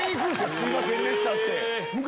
⁉「すいませんでした」って。